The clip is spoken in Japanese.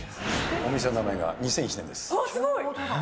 お店の名前が２００１年です。